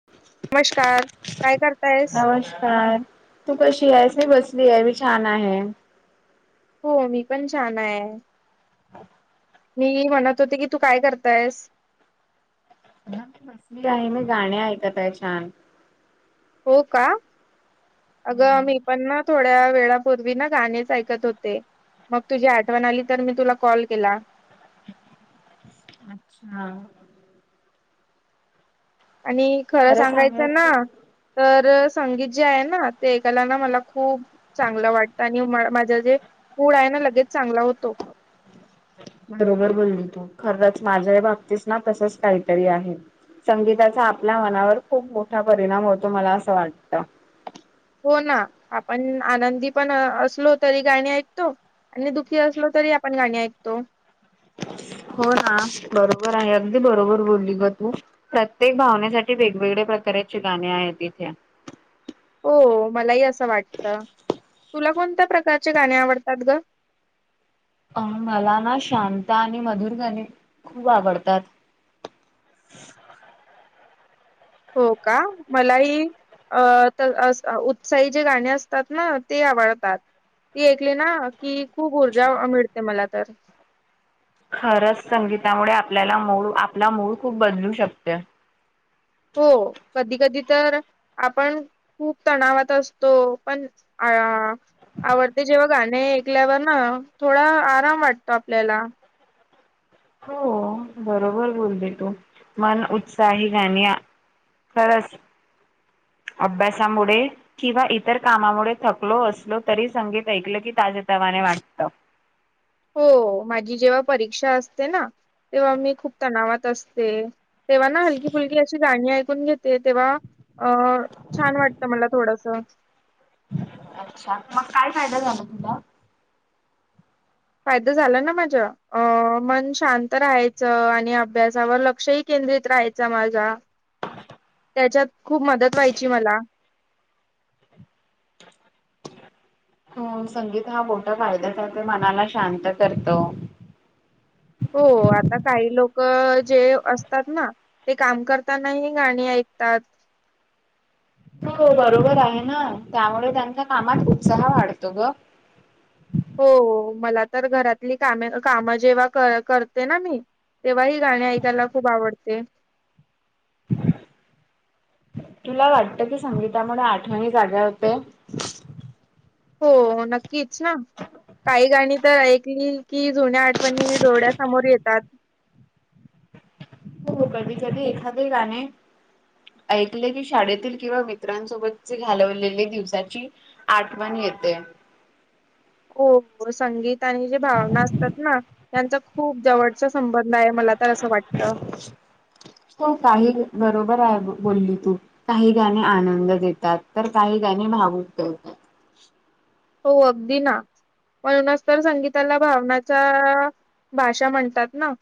[inaudible] नमस्कार काय करतायस नमस्कार तू कशीयस? मी बसलीय मी छानय हो, मी पण छानय मी म्हणत होते की, तू काय करतायस? ह मी बसलीय, मी गाणी ऐकत आहे छान हो का? अगं आम्ही पण ना, थोड्या वेळापूर्वी ना गाणेच ऐकत होते मग तुझी आठवण आली, तर मी तुला कॉल केला अच्छा! आणि खरं सांगायचं ना तर संगीत जे आहे ना ते ऐकायला ना मला खूप चांगलं वाटतं आणि माझा जे मूडय ना लगेच चांगला होतो बरोबर बोली तू खरंच माझ्याही बाबतीत ना तसचं काहीतरी आहे संगीताचा आपल्या मनावर खूप मोठा परिणाम होतो, मला असं वाटत हो ना आपण आनंदी पण असलो तरी गाणी ऐकतो आणि दुखी असलो तरी आपण गाणी ऐकतो हो ना, बरोबराय अगदी बरोबर बोलली ग तू प्रत्येक भावनेसाठी वेगवेगळ्या प्रकाराची गाणी आहेत, इथे हो मलाही असं वाटत तुला कोणत्या प्रकारचे गाणे आवडतात ग? अ मला ना शांता आणि मधुर गणे खुप आवडतात हो, का? मलाही अ तर उत्साही जे गाणे असतात ना ते आवडतात ती ऐकली ना कि खुप ऊर्जा मिळते मला तर खरंच संगीतामुळे आपल्याला मूड आपला मूड खूप बदलू शकते हो, कधी कधी तर आपण खुप तणावात असतो, पण अ [unintelligible] आवडते जेव्हा गाणे ऐकल्यावर ना थोडा आराम वाटतो आपल्याला हो बरोबर बोलते तू मन उत्साही गाणी खरचं, अभ्यासामुळे किंवा इतर कामामुळे थकलो असलो तरी संगीत ऐकलं की ताजे तवाने वाटत हो माझी जेव्हा परीक्षा असते ना तेव्हा मी खुप तणावात असते तेव्हा ना हलकी फुलकी अशी गाणी ऐकून घेत ते तेव्हा अ छान वाटतं मला थोडसं अच्छा! मग काय फायदा झाला तुमचा? फायदा झाला ना माझा अ मन शांत राहायचं आणि अभ्यासावर लक्षही केंद्रित राहायचं माझा ह [inaudible] [unintelligible] त्याच्यात खुप मदत व्हायची मला [inaudible] ह संगीत हा मोठा फायद्या मनाला शांत करतो. हो आता काही लोक जे असतात ना ते काम करतानाही गाणी ऐकतात. हो बरोबर आहे ना त्यामुळे त्यांचा कामात उत्साह वाढतो ग. हो मला तर घरातली कामे कामं जेव्हा करते ना मी तेव्हा ही गाणे ऐकायला खूप आवडते. तुला वाटत कि संगीतामुळे आठवणी जाग्या होते? हो नक्कीच ना, काही गाणी तर ऐकली की जुन्या आठवणी डोळ्यासमोर येतात. हो कधी कधी एखादे गाने ऐकले की शाळेतील किंवा मित्रांसोबतची घालवलेली दिवसाची आठवण येते. हो संगीत आणि जे भावना असतात ना त्यांचा खूप जवळचा संबंध आहे मला आता असं वाटतं तू काही बरोबर आहे बोलली तू काही गाणी आनंद देतात तर काही गाणी भावुक उठतात. हो अगदी ना. म्हणूनच तर संगीताला भावनाचा भाषा म्हणतात ना.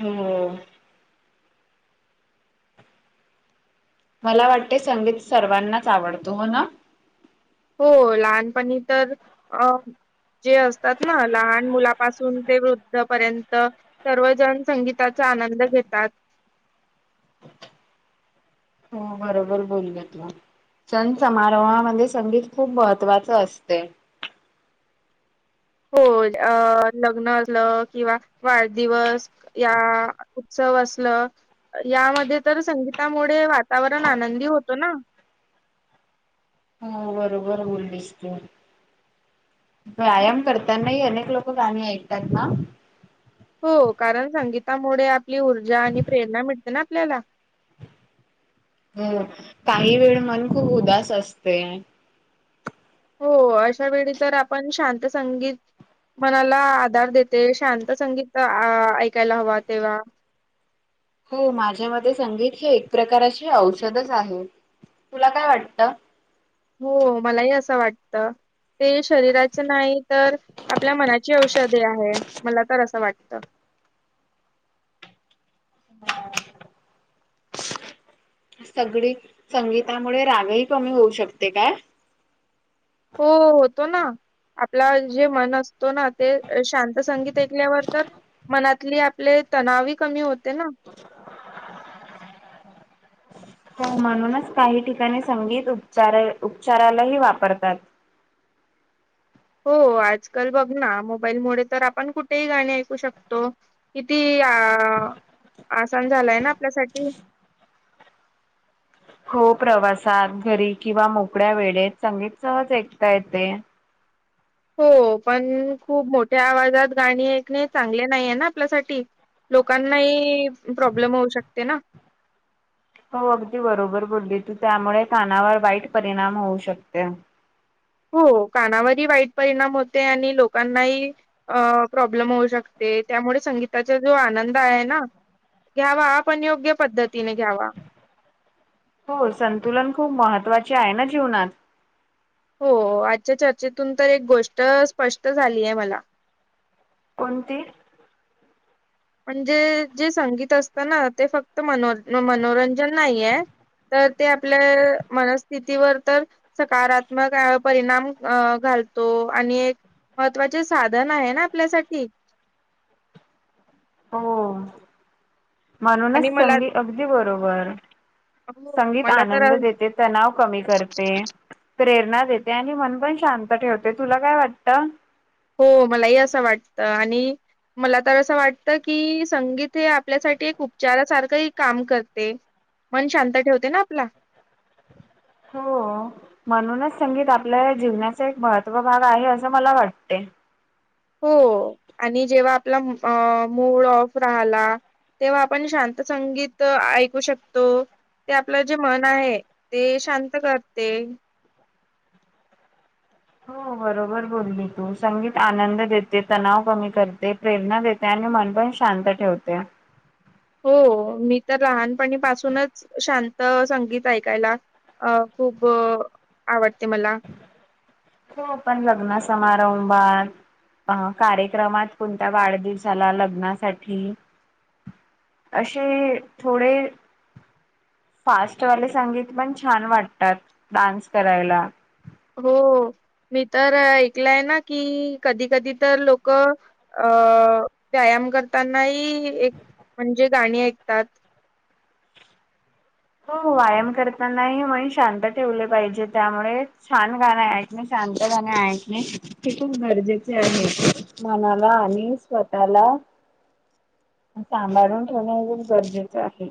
हम्म. मला वाटते संगीत सर्वांनाच आवडतो हो ना? हो लहानपणी तर अ जे असतात ना लहान मुलापासून ते वृद्धपर्यंत सर्वजण संगीताचा आनंद घेतात. हो बरोबर बोली तू. सण समारोहामध्ये संगीत खूप महत्वाचं असते. हो अ लग्न असलं किंवा वाढदिवस या उत्सव असलं यामध्ये तर संगीतामुळे वातावरण आनंदी होत ना. हा बरोबर बोललीस तु. व्यायाम करताना ही अनेक लोक गाणी ऐकतात ना? हो कारण संगीतामुळे आपली ऊर्जा आणि प्रेरणा मिळते ना आपल्याला. हो काही वेळ मन खूप उदास असतय हो अशा वेळी तर आपण शांत संगीत मनाला आधार देते शांत संगीत ऐकायला हवा तेव्हा, हो माझ्या मते संगीत हे एक प्रकारचे औषधच आहे, तुला काय वाटतं? हो मलाही असं वाटत. ते शरीराच नाही तर आपल्या मनाची औषधे आहे, मला तर असं वाटतं. हा सगळी संगीतामुळे राग ही कमी होऊ शकते काय? हो होतो ना आपला जे मन असतो ना ते शांत संगीत ऐकल्यावर तर मनातले आपले तणाव हि कमी होते ना. [inaudible] हो म्हणूनच काही ठिकाणी संगीत उपचार उपचारालाही वापरतात. हो आजकाल बघ ना मोबाईल मुळे तर आपण कुठेही गाणे ऐकू शकतो. किती अ आसान झालाय ना आपल्यासाठी हो प्रवासात घरी किंवा मोकळ्या वेळेत चागली संगीत सहज ऐकता येते हो पण खूप मोठ्या आवाजात गाणी ऐकणे चांगले नाहीय ना आपल्यासाठी लोकांनाही प्रॉब्लेम होऊ शकते ना हो अगदी बरोबर बोलली तू त्यामुळे कानावर वाईट परिणाम होऊ शकते. हो कानावरही वाईट परिणाम होते आणि लोकांनाही अ प्रॉब्लेम होऊ शकते त्यामुळे संगीताचा जो आनंद आहे ना घ्यावा, पण योग्य पद्धतीने घ्यावा. हो संतुलन खूप महत्त्वाचे आहे ना जीवनात. हो आजच्या चर्चेतून तर एक गोष्ट स्पष्ट झाली आहे मला कोणती म्हणजे जे संगीत असतं ना ते फक्त मन मनोरंजन नाहीये तर ते आपल्या मनस्थितीवर तर सकारात्मक अपरिणाम घालतो आणि महत्त्वाचे साधन आहे ना आपल्यासाठी. हो. म्हणूनच आणि मला संगी अगदी बरोबर, हो संगीत मला तर आनंद देते तणाव कमी करते प्रेरणा देते आणि मन पण शांत ठेवते तुला काय वाटतं हो मलाही असं वाटत आणि मला तर असं वाटत की संगीत हे आपल्यासाठी एक उपचारासारखं काम करते. मन शांत ठेवते ना आपला. हो म्हणूनच संगीत आपल्या जीवनाचा एक महत्त्व भाग आहे असं मला वाटते. हो आणि जेव्हा आपला अ मूड ऑफ राहिला तेव्हा आपण शांत संगीत ऐकू शकतो, ते आपलं जे मन आहे ते शांत करते हो बरोबर बोलली तू, संगीत आनंद देते तणाव कमी करते प्रेरणा देते आणि मन पण शांत ठेवते. हो मी तर लहानपणीपासूनच शांत संगित ऐकायला अ खूप आवडते मला. हो पण लग्ना समारंभभात अ कार्यक्रमात कोणत्या वाढदिवसाला लग्नासाठी अशी थोडे फास्टवाले संगीत पण छान वाटतात डान्स करायला हो मी तर ऐकलंय ना की कधी कधी तर लोक अ व्यायाम करतानाही एक म्हणजे गाणी ऐकतात हो व्यायाम करताना मण शांत ठेवले पाहिजे त्यामुळे छान गाणे ऐकणे, शांत गाणे ऐकणे हे खूप गरजेचे आहे. मनाला आणि स्वतःला सांभाळून ठेवणं हेच गरजेचं आहे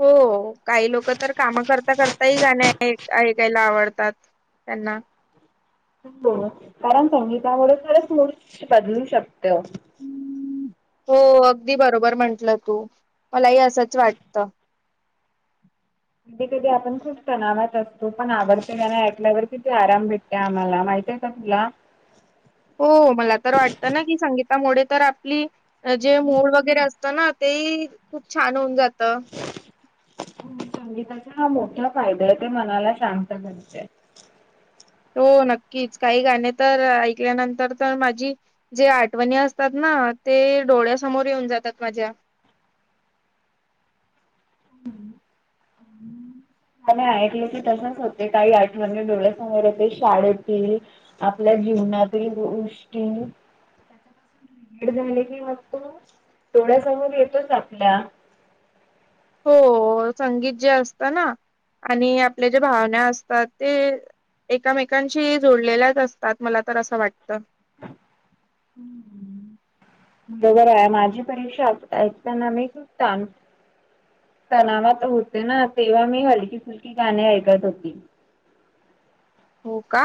हो काही लोक तर काम करता करताही गाणे ऐकायला आवडतात त्यांना ब कारण संगीतामुळे खरच सुर बदलू शकत हुं हो अगदी बरोबर म्हंटलं तू मलाही असंच वाटत कधी कधी आपण खूप तणावात असतो पण आवडत गाण ऐकल्यावर किती आराम भेटत ते आम्हाला माहितीये आहे का तुला [inaudible] हो मला तर वाटत ना की संगीतामुळे तर आपली जे मुड वगैरे अस ना ते खुप छान होऊन जात संगीताचा हा मोठा फायदा आहे ते मनाला शांत करते हो नक्कीच काही गाणे तर ऐकल्यानंतर तर माझी जे आठवणी असतात ना ते डोळ्यासमोर येऊन जातात माझ्या त्या ऐकल की तसच होते काही आठवणी डोळ्यासमोर होते शाळेतील आपल्या जीवनातील गोष्टी ते‌ झाले की वाटत डोळ्यासमोर येतोच आपल्या हो संगीत जे असत ना आणि आपल्या जे भावना असतात ते एकामेकांशी जोडलेल्याच असतात मला तर अस वाटत हम्म हम्म बरोबर आहे माझी परीक्षा ऐकताना मी खुप ताण तणावात होते ना तेव्हा मी हलकी फुलकी गाणी ऐकत होती. हो का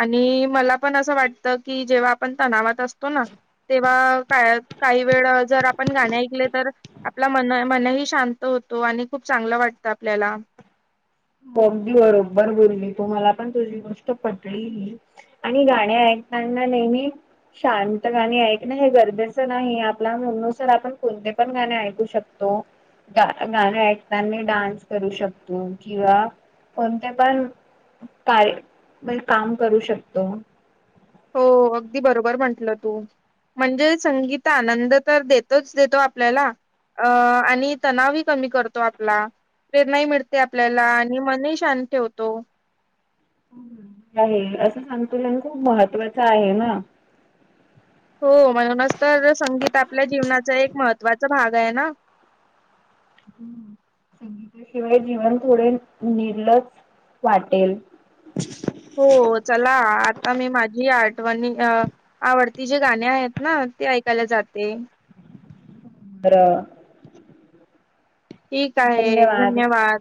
आणि मला पण अस वाटत की जेव्हा आपण तणावात असतो ना तेव्हा का काही वेळ जर आपण गाणे ऐकले तर आपला मन मनही शांत होतो आणि खुप चांगल वाटत आपल्याला हो अगदी बरोबर बोलली तु मला पण तुझी गोष्ट पटली ही आणि गाणे ऐकताना नेहमी शांत गाणी ऐकण हे गरजेच नाही आपल्या मना नुसार आपण कोणते पण गाणे ऐकु शकतो तो गाण ऐकतानी डान्स करू शकतो. किंवा कोणते पण का म्ह काम करू शकतो. हो अगदी बरोबर म्हटल तु म्हणजे संगीत आनंद तर देतोच देतो आपल्याला अं आणि तणावही कमी करतो. तो आपला प्रेरणाही मिळते आपल्याला आणि मनही शांत ठेवतो. नाही आहे अस संतुलन खुप महत्त्वाच आहे ना. हो म्हणुनच तर संगीत आपल्या जीवनाचा एक महत्त्वाचा भाग आहे ना. संगीताशिवाय जीवन थोडे निर्लस वाटेल हो चला आता मी माझी आठवणी अं आवडती जे गाणी आहेत ना ते ऐकायला जाते. तर ठीक आहे धन्यवाद.